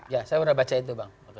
ya saya sudah baca itu bang